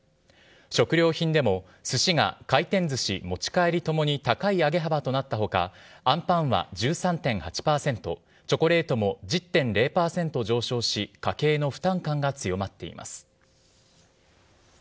食料品でも、すしが回転ずし、持ち帰りともに高い上げ幅となったほか、あんパンは１３．８％、チョコレートも１０．０％上昇し、家計の負担感が強まっています。